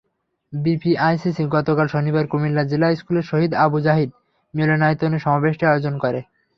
BPICC গতকাল শনিবার কুমিল্লা জিলা স্কুলের শহীদ আবু জাহিদ মিলনায়তনে সমাবেশটির আয়োজন করে।